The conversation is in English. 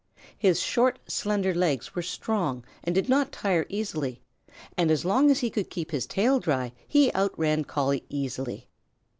His short, slender legs were strong and did not tire easily, and as long as he could keep his tall dry he outran Collie easily.